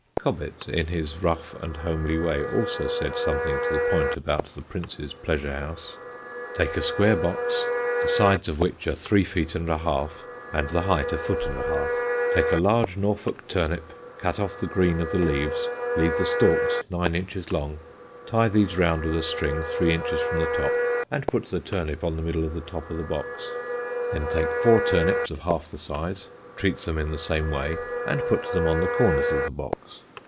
Cobbett in his rough and homely way also said something to the point about the Prince's pleasure house: "Take a square box, the sides of which are three feet and a half, and the height a foot and a half. Take a large Norfolk turnip, cut off the green of the leaves, leave the stalks nine inches long, tie these round with a string three inches from the top, and put the turnip on the middle of the top of the box. Then take four turnips of half the size, treat them in the same way, and put them on the corners of the box.